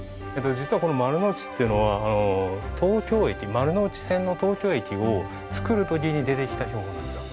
実はこの「丸ノ内」っていうのは東京駅丸ノ内線の東京駅を造る時に出てきた標本なんですよ。